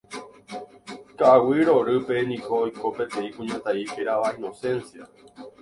Ka'aguy Rorýpe niko oiko peteĩ kuñataĩ hérava Inocencia.